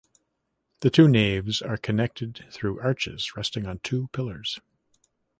The two naves are connected through arches rested on two pillars.